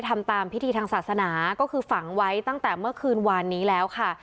ทำตามพิธีทางศาสนาก็คือฝังไว้ตั้งแต่เมื่อคืนวานนี้แล้วค่ะ